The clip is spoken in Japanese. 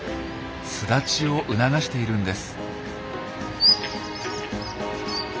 巣立ちを促しているんです。